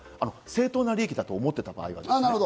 正当な利益だと思っていた場合はです。